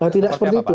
tidak seperti itu